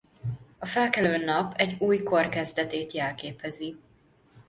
A felkelő nap egy új kor kezdetét jelképezi.